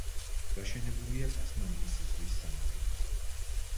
გაშენებულია ტასმანიის ზღვის სანაპიროზე.